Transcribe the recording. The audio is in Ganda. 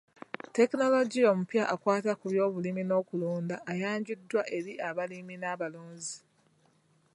Tekinologiya omupya akwata ku byobulimi n'okulunda ayanjuddwa eri abalimi n'abalunzi.